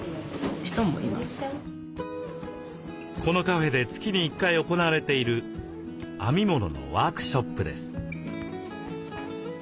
このカフェで月に１回行われている編み物のワークショップです。